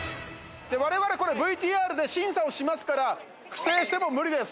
我々これＶＴＲで審査をしますから不正しても無理です。